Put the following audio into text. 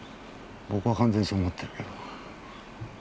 僕は完全にそう思ってるけど。